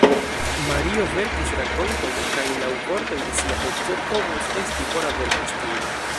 Mario verkis rakonton, kaj laŭ vortoj de sia edzo povus esti bona verkistino.